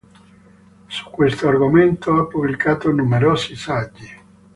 Su questo argomento ha pubblicato numerosi saggi.